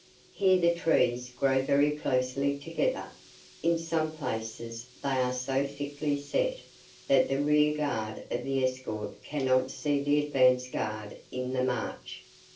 Here the trees grow very closely together; in some places they are so thickly set that the rear guard of the escort cannot see the advance guard in the march.